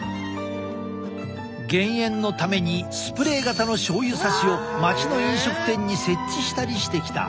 減塩のためにスプレー型の醤油さしを町の飲食店に設置したりしてきた。